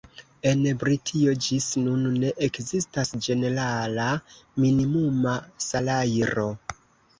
En Britio ĝis nun ne ekzistas ĝenerala minimuma salajro.